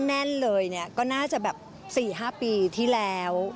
แน่นเลยเนี่ยก็น่าจะแบบ๔๕ปีที่แล้ว